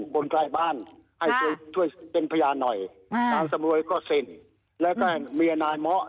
บนใกล้บ้านแข่งประญาณหน่อยหาสมรวยก็เสนแล้วก็ท่านเมียนายเหมาะ